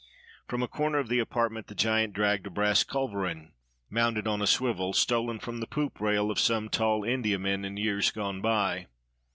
From a corner of the apartment the giant dragged a brass culverin, mounted on a swivel, stolen from the poop rail of some tall Indiaman in years gone by.